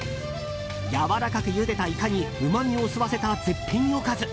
やわらかくゆでたイカにうまみを吸わせた絶品おかず。